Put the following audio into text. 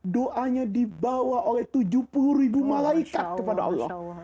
doanya dibawa oleh tujuh puluh ribu malaikat kepada allah